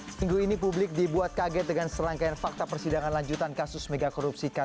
sampai lupa berapa sudah sidang keberapa